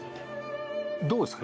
どうですか。